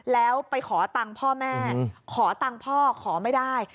แล้วไปขอตังค์พ่อแม่ขอตังค์พ่อขอไม่ได้